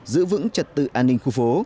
giữ vững trật tự an ninh khu phố